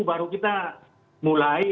baru kita mulai